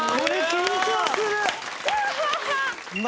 緊張する！